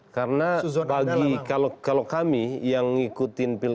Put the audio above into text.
karena lagi kalau kami yang ngikutin pilk